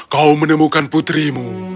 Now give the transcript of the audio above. kau menemukan putrimu